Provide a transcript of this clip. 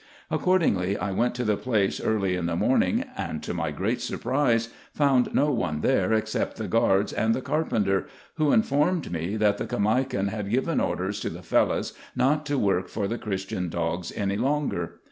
Accordingly, I went to the place early in the morning, and, to my great surprise, found no one there except the guards and the carpenter, who informed me, that the Caimakan had o iven orders to the Fellahs not to work for the Christian dogs any longer.